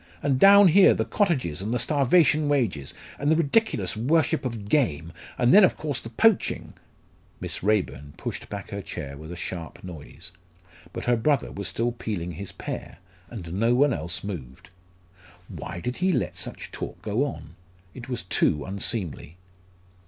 And down here, the cottages, and the starvation wages, and the ridiculous worship of game, and then, of course, the poaching " Miss Raeburn pushed back her chair with a sharp noise. But her brother was still peeling his pear, and no one else moved. Why did he let such talk go on? It was too unseemly.